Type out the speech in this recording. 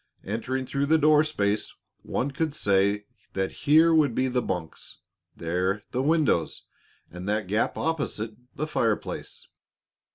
Entering through the door space, one could say that here would be the bunks, there the windows, and that gap opposite, the fireplace.